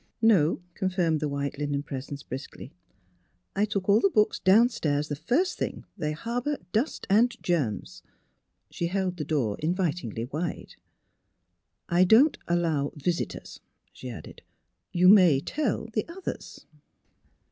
" No," confirmed the white linen presence briskly. " I took all the books downstairs the first thing. They harbor dust and germs." She held the door invitingly wide. " I don't allow visitors," she added. " You may tell the others."